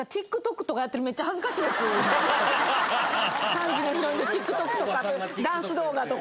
３時のヒロインのＴｉｋＴｏｋとかダンス動画とか。